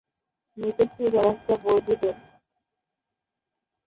নিচের ঠোঁট অনেকটা বর্ধিত।